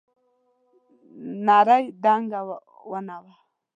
نرۍ دنګه ونه وه.